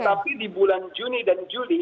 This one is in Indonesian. tetapi di bulan juni dan juli